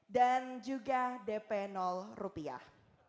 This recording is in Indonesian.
dan juga dp rupiah